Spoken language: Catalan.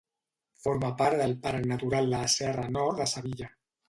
Forma part del parc natural de la Serra Nord de Sevilla.